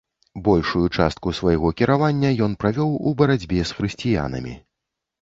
Большую частку свайго кіравання ён правёў у барацьбе з хрысціянамі.